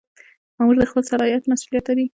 مامور د خپل صلاحیت مسؤلیت لري.